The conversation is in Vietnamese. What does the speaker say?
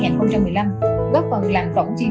trong khi chờ sử luật để bỏ quy định cung giá vé nội địa